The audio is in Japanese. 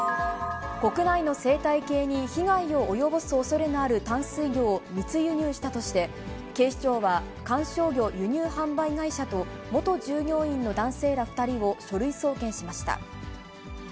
国内の生態系に被害を及ぼすおそれのある淡水魚を密輸入したとして、警視庁は、観賞魚輸入販売会社と元従業員の男性ら２人を書類送検しました。